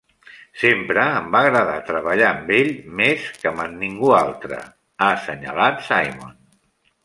"Sempre em va agradar treballar amb ell més que amb ningú altre", ha assenyalat Simon.